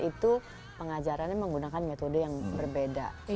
itu pengajarannya menggunakan metode yang berbeda